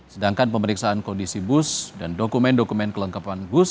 sedangkan pemeriksaan kondisi bus dan dokumen dokumen kelengkapan bus